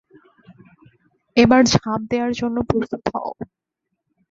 এবার ঝাপ দেওয়ার জন্য প্রস্তুত হও।